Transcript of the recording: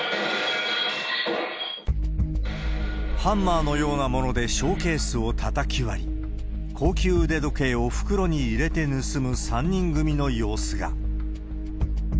ハンマーのようなものでショーケースをたたき割り、高級腕時計を袋に入れて盗む３人組の様子が。